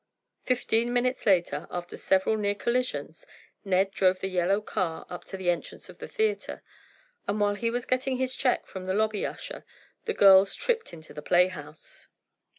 Fifteen minutes later, after several near collisions, Ned drove the yellow car up to the entrance of the theatre, and while he was getting his check from the lobby usher, the girls tripped into the playhouse.